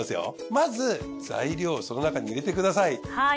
まず材料その中に入れてください。